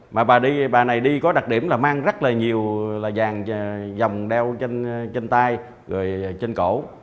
mà bà đi bà này đi có đặc điểm là mang rất là nhiều là vàng dòng đeo trên tay rồi trên cổ